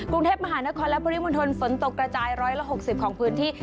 กรุงเทพมหานครและพลิมุนทนฝนตกระจายร้อยละหกสิบของพื้นที่